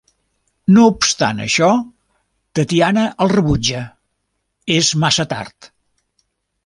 No obstant això, Tatiana el rebutja: és massa tard.